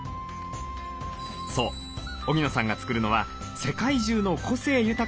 そう荻野さんが作るのは世界中の個性豊かな料理。